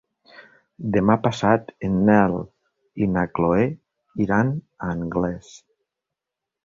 Demà passat en Nel i na Chloé iran a Anglès.